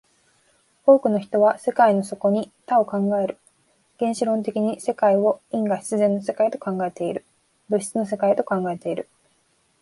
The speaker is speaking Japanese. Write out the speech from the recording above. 多くの人は世界の底に多を考える、原子論的に世界を因果必然の世界と考えている、物質の世界と考えている。